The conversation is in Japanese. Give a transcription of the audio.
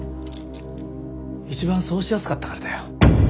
一番そうしやすかったからだよ。